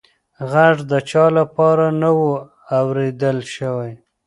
غږ د چا لخوا نه و اورېدل شوې.